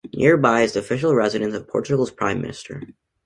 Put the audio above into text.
Nearby is the official residence of Portugal's Prime Minister.